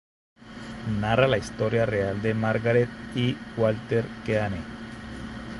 Narra la historia real de Margaret y Walter Keane.